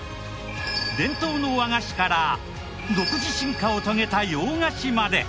伝統の和菓子から独自進化を遂げた洋菓子まで。